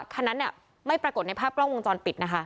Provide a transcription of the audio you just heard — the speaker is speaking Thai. คันนั้นไม่ปรากฏในภาพกล้องวงจรปิดนะคะ